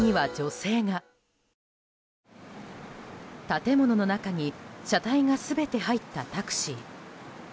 建物の中に車体が全て入ったタクシー。